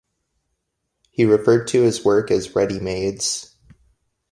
He referred to his work as "Readymades".